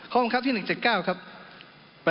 ข้อบังคับที่๑๗๙ครับ